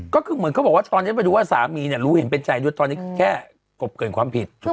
ก็คือเหมือนเขาบอกว่าตอนนี้ไปดูว่าสามีเนี่ยรู้เห็นเป็นใจด้วยตอนนี้แค่กบเกินความผิด